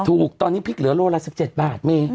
ถูกตอนนี้พริกเหลือโลละ๑๗บาทเม